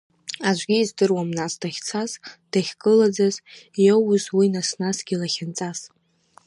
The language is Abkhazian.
Аӡәгьы издыруам нас дахьцаз, дахькылаӡ, иоуз уи нас-насгьы лахьынҵас.